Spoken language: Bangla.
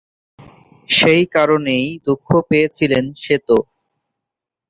সেই কারণেই দুঃখ পেয়েছিলেন সেত।